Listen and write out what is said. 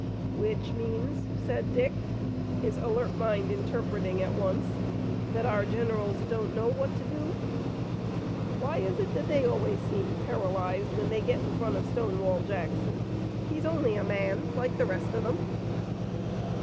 "Which means," said Dick, his alert mind interpreting at once, "that our generals don't know what to do. Why is it that they always seem paralyzed when they get in front of Stonewall Jackson? He's only a man like the rest of them!"